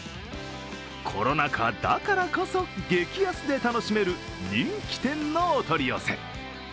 コロナ禍だからこそ激安で楽しめる人気店のお取り寄せ。